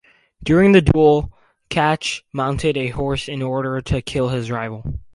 During the duel Chach mounted a horse in order to kill his rival.